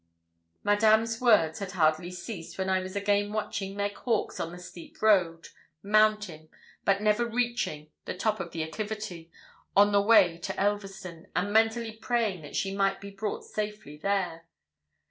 Madame's words had hardly ceased, when I was again watching Meg Hawkes on the steep road, mounting, but never reaching, the top of the acclivity, on the way to Elverston, and mentally praying that she might be brought safely there.